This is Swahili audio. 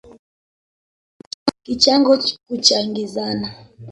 Kichango kuchangizana